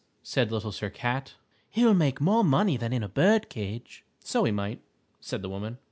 said Little Sir Cat. "He'll make more money than in a bird cage." "So he might," said the woman.